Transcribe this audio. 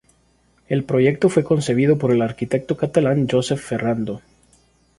El proyecto fue concebido por el arquitecto catalán Josep Ferrando.